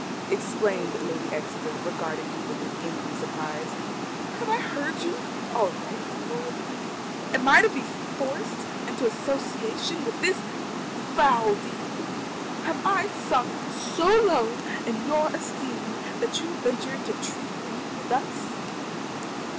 exclaimed Lady Exeter, regarding him with angry surprise. "Have I heard you aright, my Lord? Am I to be forced into association in this foul deed? Have I sunk so low in your esteem that you venture to treat me thus?"